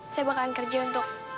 saya bakalan kerja untuk